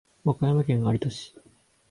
和歌山県有田市